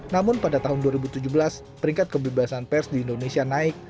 namun pada tahun dua ribu tujuh belas peringkat kebebasan pers di indonesia naik